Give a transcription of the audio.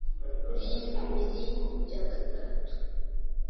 kuri bibiri bya gatatu